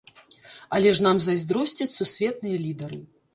Але ж нам зайздросцяць сусветныя лідары.